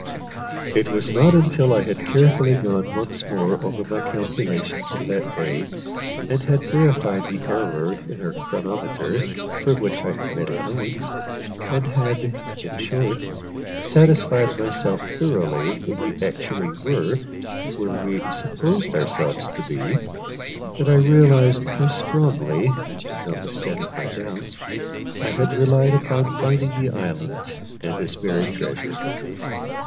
It was not until I had carefully gone once more over my calculations of that day, and had verified the error in our chronometer for which I had made allowance, and had, in short, satisfied myself thoroughly that we actually were where we supposed ourselves to be, that I realised how strongly, notwithstanding my doubts, I had relied upon finding the island and its buried treasure.